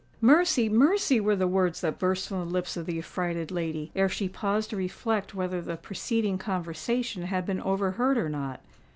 "Mercy! mercy!" were the words that burst from the lips of the affrighted lady, ere she paused to reflect whether the preceding conversation had been overheard or not.